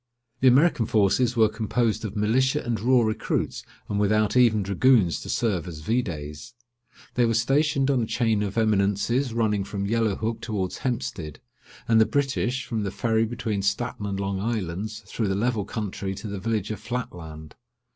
The American forces were composed of militia and raw recruits, and without even dragoons to serve as videts. They were stationed on a chain of eminences running from Yellow Hook towards Hempstead; and the British, from the Ferry between Staten and Long Islands, through the level country to the village of Flatland.